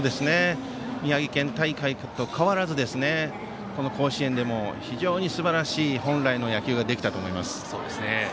宮城県大会と変わらず甲子園でも非常にすばらしい本来の野球ができたと思います。